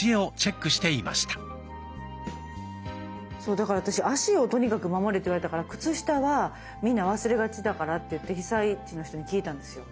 そうだから私足をとにかく守れって言われたから靴下はみんな忘れがちだからっていって被災地の人に聞いたんですよ。